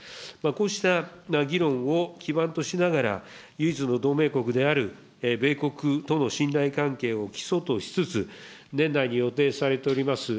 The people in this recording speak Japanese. こうした議論を基盤としながら、唯一の同盟国である米国との信頼関係を基礎としつつ、年内に予定されております